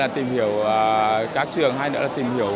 tìm hiểu các trường hay nữa là tìm hiểu